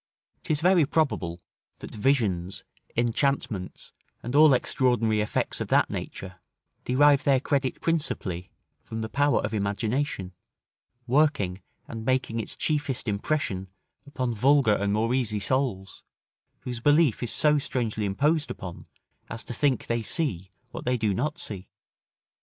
'Tis very probable, that visions, enchantments, and all extraordinary effects of that nature, derive their credit principally from the power of imagination, working and making its chiefest impression upon vulgar and more easy souls, whose belief is so strangely imposed upon, as to think they see what they do not see.